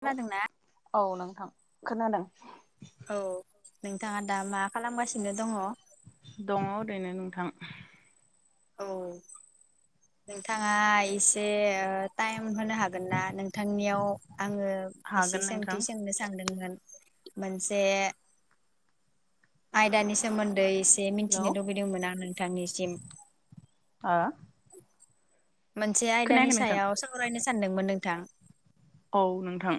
खोनादोंना हेलौ औ नोंथां। खोनादों। औ नोंथाङा दा मा खालामगासिनो दङ'? दङ' ओरैनो नोंथां। औ, नोंथाङा एसे टाइम होनो हागोन ना नोंथांनियाव आङो एसे हागोन नोंथां सोंथि सोंनो सानदोंमोन। मोनसे आयदानि सोमोन्दै से हेलौ मिथिनो लुबैदोंमोन आं नोंथांनिसिम। आ मोनसे आयदानि सायाव सावरायनो सानदोंमोन नोंथां। औ नोंथां।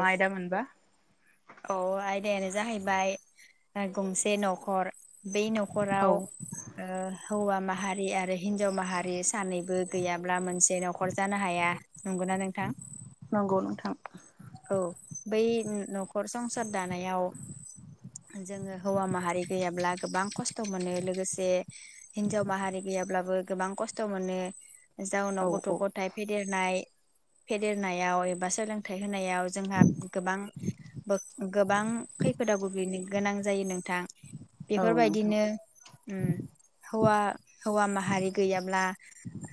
मा आयदा मोनबा। अ आयदायानो जाहैबाय गंसे न'खर। बै औ न'खराव ओ हौवा माहारि आरो हिन्जाव माहारि सानैबो गैयाब्ला मोनसे न'खर जानो हाया नंगौना नोंथां? नंगौ नोंथां। औ बै न'खर संसार दानायाव जोङो हौवा माहारि गैयाब्ला गोबां खस्थ' मोनो लोगोसे हिनजाव माहारि गैयाब्लाबो गोबां खस्थ' मोनो। औ जाउनाव गथ' औ गथाय फेदेरनाय फेदेरनायाव एबा सोलोंथाइ होनायाव जोंहा गोबां गोबां खैफोदाव गोग्लैनो गोनां जायो नोंथां। औ नोंथां बेफोरबायदिनो उम हौवा। हौवा माहारि गैयाब्ला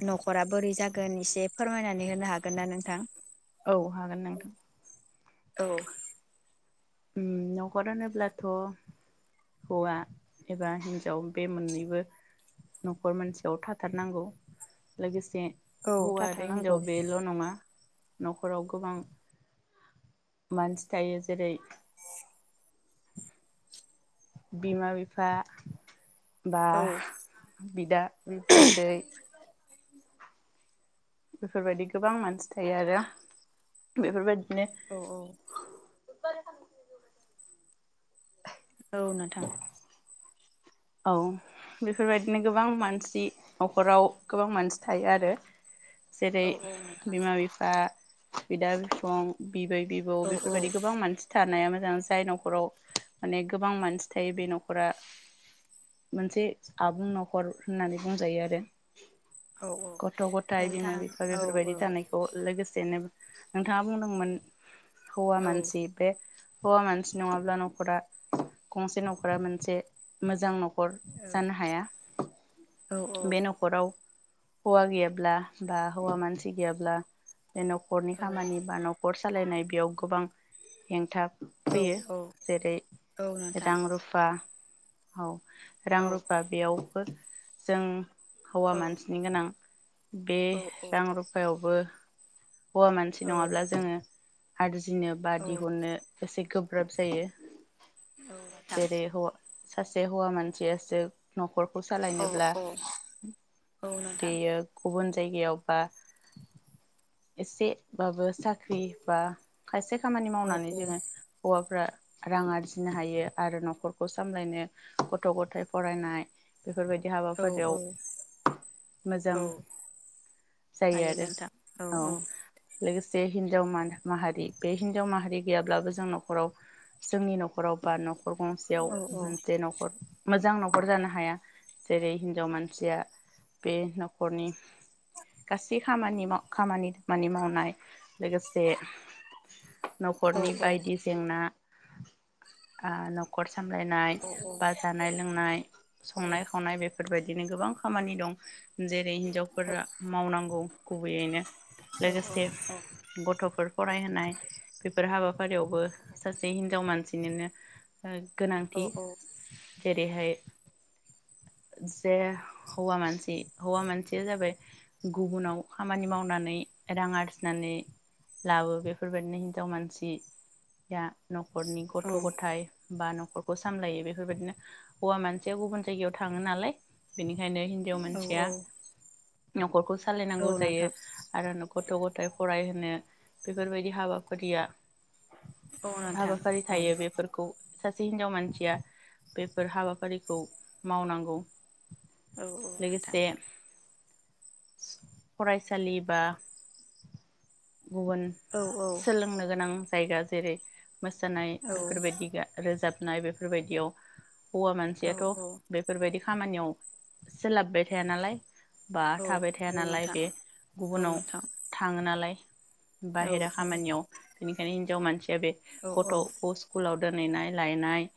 न'खरा बोरै जाग गोन एसे फोरमायनानै होनो हागोन ना नोंथां? औ हागोन नोंथां। औ। न'खर होनोब्लाथ' हौवा एबा हिनजाव बे मोननैबो न'खर मोनसेयाव थाथारनांगौ लोगोसे औ हौवा आरो थाथारनांगौ हिनजाव बेल' नङा न'खराव गोबां मानसि थायो। जेरै बिमा बिफा। बा औ बिदा बिबाजै। बेफोरबायदि गोबां मानसि थायो आरो बेफोरबायदि माने औ [unintelligible] औ नोंथां। औ बेफोरबायदिनो गोबां मानसि न'खराव गोबां मानसि थायो आरो। जेरै औ औ नोंथां बिमा बिफा। बिदा बिफं। बिबै बिबौ औ औ बेफोरबायदि गोबां मानसि थानाया जाय न'खराव माने गोबां मानसि थायो बे न'खरा मोनसे आबुं न'खर होननानै बुंजायो आरो। औ गथ' गथायाइ बिमा नोंथां बिफा औ बेफोरबायदि थानायखौ लोगोसे जेननो नोंथाङा बुंदोंमोन। हौवा औ मानसि बे हौवा मानसि नङाब्ला न'खरा गंसे न'खरा मोनसे मोजां नखर नखर जानो हाया औ बे न'खराव हौवा गैयाब्ला बा हौवा मानसि गैयाब्ला बे न'खरनि खामानि बा न'खर सालायनाय बेयाव गोबां हेंथाब औ फैयो औ जेरै औ नोंथां रां रुफा औ औ रां रुफा बेयावबो जों हौवा औ मानसि गोनां बे रां रुफायावबो हौवा मानसि नङाब्ला जोङो [unintelligible] थिनो बा दिहुननो एसे गोब ब्राब जायो। जेरै हौवा सासे हौवा मानसियासो न'खरखौ सालायनोब्ला औ नोंथां औ औ नोंथां बेयो गुबुन जायगायाव बा एसे बाबो साख्रि बा खायसे खामानि औ मावनानै औ जोङो हौवाफ्रा रां आरजिनो हायो आरो न'खरखौ सामलायनो गथ' ग'थाइ फरायनाय बेफोरबायदि औ हाबाफारियाव मोजां औ जायो आरो औ लोगोसे हिनजाव मान माहारि बे हिनजाव माहारि गैयाब्लाबो जों न'खराव जोंनि न'खराव बा न'खर गंसेयाव औ मोनसे न'खर मोजां न'खर खर जानो हाया जेरै हिनजाव मानसिया बे न'खरनि गासै खामानि माव खामानि मानि मावनाय लोगोसे औ न'खरनि बायदि जेंना आ न'खर सामलायनाय औ बा जानाय लोंनाय संनाय खावनाय बेफोरबायदि बिदिनो गोबां खामानि दं जेरै हिनजावफोरा मावनांगौ गुबैयैनो लोगोसे गथ'फोर फरायहोनाय बेफोर हाबाफारियावबो सासे हिनजाव मानसि बिनिनो ओ गोनांथि जेरैहाय जे- हौवा मानसि हौवा मानसिया जाबाय गुबुनाव खामानि मावनानै रां आरजिनानै लाबो बेफोरबायदिनो हिन्जाव मानसि दा न'खरनि गथ' गथाइ बा न'खरखौ सामलायो बेफोरबायदिनो हौवा मानसिया गुबुन जायगायाव थांङो नालाय। बिनि बेखायनो हिन्जाव मानसिया, नखरखौ सालायनांगौ जायो नोंथां आरो गथ' गथायाइ फरायहोनो बेफोरबायदि हाबाफारिया औ नोंथां हाबाफारि औ थायो बेफोरखौ सासे हिन्जाव मानसिया बेफोर हाबाफारिखौ मावनांगौ। औ औ नोंथां लोगोसे फरायसालि बा गुबुन औ सोलोंनो गोनां जायगा जेरै- मोसानाय औ बेफोरबायदि गा रोजाब- नाय बेफोरबायदियाव हौवा औ मानसियाथ' औ औ बेफोरबायदि खामानियाव सोलाबबाय थाया नालाय बा औ थाबाय थाया औ नालाय नोंथां बे औ गुबुनाव नोंथां थांङो नालाय [inaudible] औ बाहेरा खामानियाव बेनिखायनो हिन जाव मान सिया बे औ औ गथ' सकुलाव दोनहैनाय लायनाय-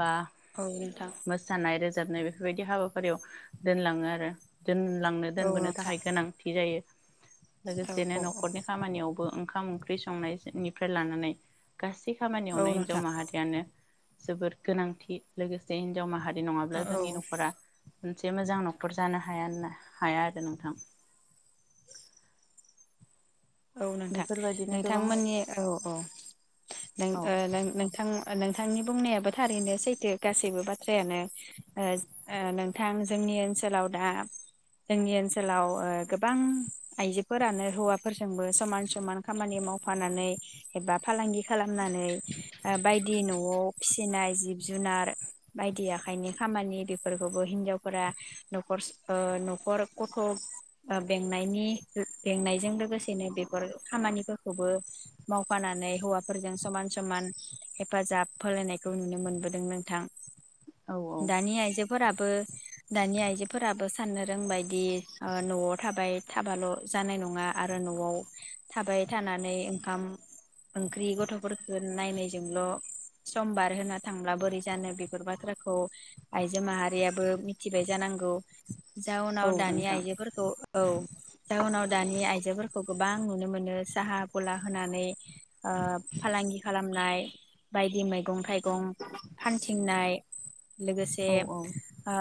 बा औ नोंथां मोसानाय रो रोजाबनाय बेफोरबायदि हाबा याव दोनलांङो आरो दोनलांनो औ दोनबोनो थाखाय नोंथां गोनांथि जायो। औ लोगोसेनो औ न'खरनि खामानियावबो उम ओंखाम ओंख्रि संनायनायसोनिफ्राय लानानै गासै औ खामानियावनो हिन्जाव नोंथां माहारियानो जोबोद गोनांथि लोगोसे हिन्जाव माहारि बि औ नंङाब्ला जोंनि नख'रा मोनसे मोजां न'खर जानो हाया ना हाया आरो नोंथां। औ नोंथां बेफोरबायदिनो गोबां नोंथांमोननि औ औ नों औ ओ नोंथां। ओ नोंथांनि बुंनायाबो थारैनो सैथो गासैबो बाथ्रायानो ओ ओ नोंथां जोंनि ओनसोलाव दा जोंनि ओनसोलाव ओ गोबां आइजोफोरानो हौवा फोरजोंबो समान समान खामानि मावफानानै एबा फालांगि खालाम नानै ओ बायदि न' व फिसिनाय जिब जुनार बायदि आखाइनि खामानि बेफोरखौबो हिजावफोरा नख'र ओ नख'र गथ' ओ बेंनायनि बेंनायजों लोगो सेनो बेफोर खामानिफोरखौबो मावफानानै हौवाफोरजों समान समान हेफाजाब होलायनायखौ नुनो मोनबोदों नोंथां। औ औ दानि आयजोफोरा बो दानि आइजोफोराबो साननो रोंबायदि ओ न'आव थाबाय थाबाल' जानाय नंङा आर रो न'आव थाबाय थानानै ओंखाम ओंख्रि गथ'फोरफोरखो नायनायजोंल' सम बारहोना थांब्ला बोरै जानो बेफोर बाथ्राखौ आइजो माहारियाबो मिथिबाय जानांगौ। औ जाउनाव दानि नोंथां आइजोफोरखौ औ। दा उनाव‌ दानि आइ आइजोफोरखौ दा आं नुनो मोनो साहा गला होनानै ओ फालांगि खालामनाय बायदि मैगं-थाइगं फानथिंनाय लोगोसे औ औ ओ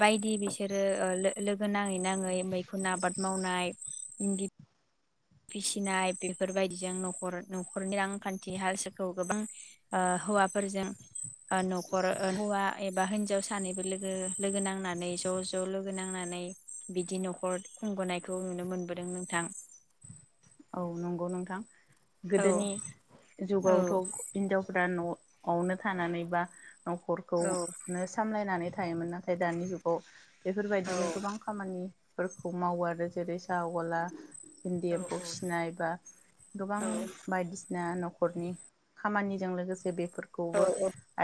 बायदि बिसोरो ओ लो लोगो नांङै नांङै मैखुन आबाद मावनाय इंगिथ फिसिनाय बेफोरबायदिजों नख'र नख'रनि रांखान्थि हालसालखौ गोबां ओ हौवाफोरजों ओ नख'र ओ हौवा एबा हिनजाव सानैबो लोगो लोगो नांनानै ज' ज' लोगो नांनानै बिदि न'खर खुंबोनायखौ नुनो मोनबोदों नोंथां। औ नंगौ नोंथां। औ गोदोनि औ जुगावथ' हिनजावफोरा न' अनो थानानै बा नख'रखौ औ नो सामलायनानै थायोमोन नाथाय दानि जुगाव औ बेफोरबायदिनो गोबां खामानि फोरखौ मावो आरो जेरै साहा गला फसिनाय बा गोबां औ बायदिसिना न'ख नख'रनि खामानिजों लोगोसे बे औ फोरखौबो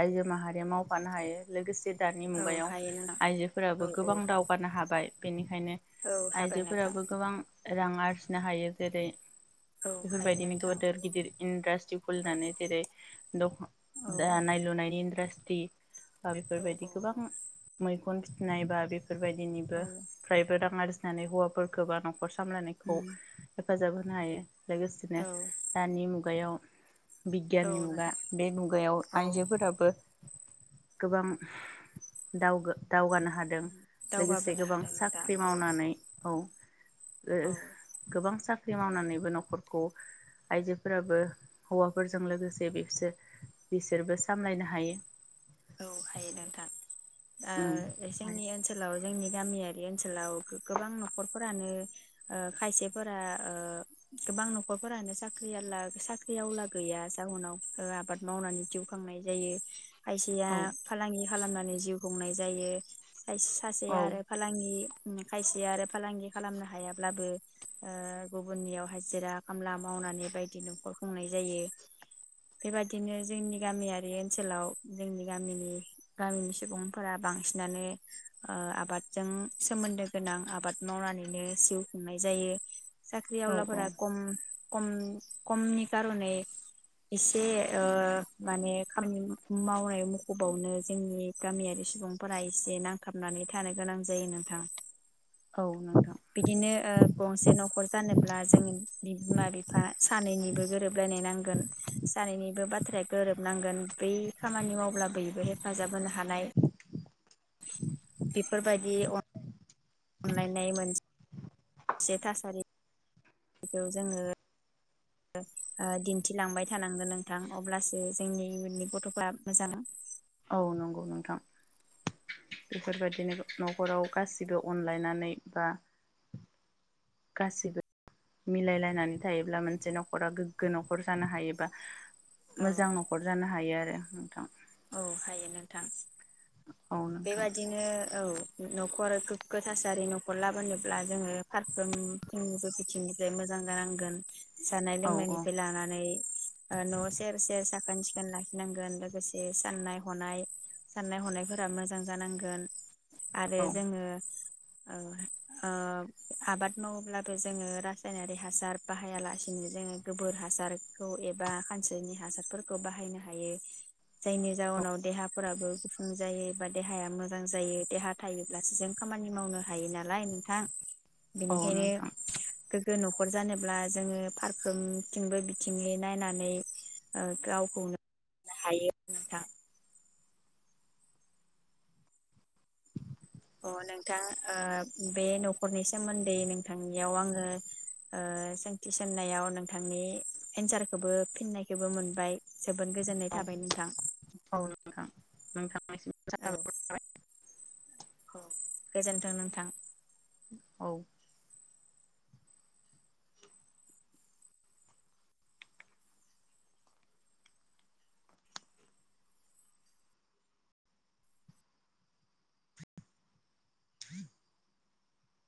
आइजो माहारि बे मावफानो हायो लोगोसे दानि औ मुगायाव हायो नोंथां आइजोफोराबो औ औ गोबां दावगानो हाबाय। बेनि ओंखायनो औ हाबाय नोंथां आइजोफोराबो गोबां रां आरजिनो हायो जेरै औ हायो बेफोरबायदिनो नोंथां गोदोर गिदोर इन्डास्ट्रि औ खुलिनानै जेरै दख दानाय लुनायनि इडास्ट्रि दि दा औ बेफोरबायदि गोबां मैगं फि नाय बा बे औ बेफोरबायदिनिबो प्राइभेट रां आरज फानै हौवाफोरफोरखौ बा खर सामलायखौ उम हेफाजाब होनो हायो लोगोसेनो औ दानि मुगायाव औ बिगियाननि मुगा नोंथां बे मुगायाव औ आइजोफोराबो गोबां दावगो दावगानो हादों लोगोसे दावगाबोनो गोबां हादों नोंथां साख्रि औ मावनानै औ ओ औ गोबांस साख्रि मावनानैबो न'खरखौ आइजोफोराबो हौवाफोरजों लोगोसे बिसोर बिसोरबो सामलायनो हायो औ हायो नोंथां उम ओ जोंनि औ ओनसोलाव जोंनि गामियारि ओनसोलाव गो गोबां न'खरफोरानो ओ खायसेफोरा ओ गोबां न'खरफोरानो साख्रियाला साख्रि आवला गैया जाउनाव आबाद मावनानै जिउ खांनाय जायो खायसेया फालांगि खालामना नै जिउ खुंनाय जायो साय सासे औ आरो फालांगि ओम खायसेया आरो फालांगि खालामनो हायाब्लाबो ओ गुबुननियाव हाजिरा खामला मावनानै बायदि न'खर खुंनाय जायो बेबादिनो जोंनि गामियारि ओनसोलाव जोंनि गामिनि गामिनि सुबुंफोरा बांसिनानो ओ आबादजों सोमोन्दो गोनां आबाद मावनानैनो जिउ खुंनाय जायो साख्रि औ औ आवलाफोरा कम खम खमनि खार'नै एसे ओ माने खामनि मावनाय मखबावनो जोंनि गामियारि सुबुंफोरा एसे नांथाबनानै थानो गोनां जायो नोंथां औ नों बिदिनो ओ गंसे न'खर जानोब्ला जोंनि बिमा बिफा सानैनिबो गोरोबलायनाय नांगोन सानैनिबो बाथ्राया गोरोबनांगोन बै खामानि मावब्ला बयबो हेफाजाब होनो हानाय बेफोरबादि अनलायनाय मोनस से थासारि बेखौ जोङो ओ दिन्थिलांबाय थानांगोन नोंथां अब्लासो जोंनि इउननि गथ'फ्रा मोजां औ नंगौ नोंथां बेफोरबायदिनो न'खराव गासिबो अनलायनानै बा गासिबो मिलायलायनानै थायोब्ला मोनसे न'खरा गोग्गो न'खर जानो हायोबा औ मोजां न'खर जानो हायो आरो नोथां। औ हायो नोंथां। औ नोंथां बेबादिनो औ न'खर गोग्गो थासारि न'खर लाबोनोब्ला जोङो फारफ्रोमफ्रोमबो बिथिंनिफ्राय मोजां जानांगोन। जानाय औ औ लोंनायनिफ्राय लानानै ओ न' सेर सेर साख खोन सिखोन लाखिनांगोन लोग फोरा मोजां जानांगोन। आरो औ जोङो औ, ओ आबाद मावोब्लाबो जोङो रासायनारि हासार बाहायालासिनो जोङो गोबोर हासारखौ एबा खानसोनि हासारफोरखौ बाहायनो हायो जायनि जाउनाव देहाफोराबो गुफुं जायो एबा देहाया मोजां जायो देहा थायोब्लासो जों खामानि मावनो हायो नालाय नोंथां। औ बेनिखायनो नोंथां गो गो न'खर जानोब्ला जोङो फारफ्रोमथिंबो बिथिङै नायनानै ओ गावखौनो हायो नोंथां। अ नोंथां ओ बे न'खरनि सोमोन्दै नोंथांनियाव आङो ओ सोंथि सोंनायाव नोंथांनि एन्सारखौबो फिननायखौबो मोनबाय जोबोद गोजोननाय औ थाबाय नोंथां। औ नोंथां नोंथांनिसिम औ औ गोजोन थों नोंथां। औ।